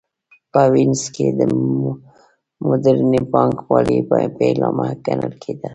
په وینز کې د موډرنې بانک والۍ پیلامه ګڼل کېده